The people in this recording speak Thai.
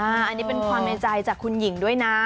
อันนี้เป็นความในใจจากคุณหญิงด้วยนะ